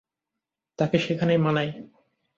তাকে সেখানেই মানায়।